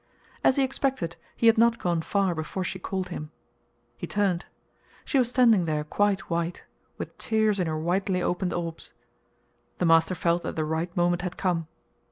As he expected, he had not gone far before she called him. He turned. She was standing there quite white, with tears in her widely opened orbs. The master felt that the right moment had come.